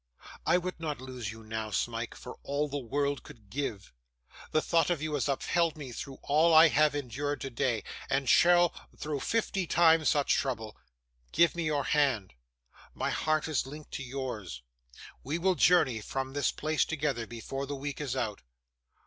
I would not lose you now, Smike, for all the world could give. The thought of you has upheld me through all I have endured today, and shall, through fifty times such trouble. Give me your hand. My heart is linked to yours. We will journey from this place together, before the week is out.